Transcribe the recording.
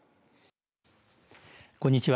こんにちは。